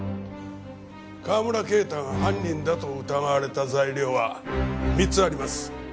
川村啓太が犯人だと疑われた材料は３つあります。